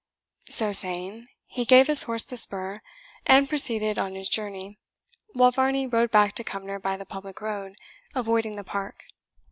So saying, he gave his horse the spur, and proceeded on his journey, while Varney rode back to Cumnor by the public road, avoiding the park.